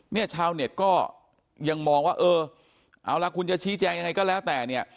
ชาวเน็ตก็ยังมองว่าเออเอาล่ะคุณจะชี้แจงยังไงก็แล้วแต่เนี่ย